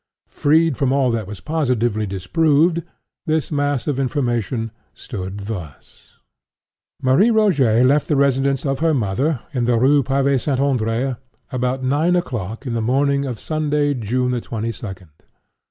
Freed from all that was positively disproved, this mass of information stood thus: Marie Rogêt left the residence of her mother, in the Rue Pavée St. Andrée, about nine o'clock in the morning of Sunday, June the twenty second, 18—.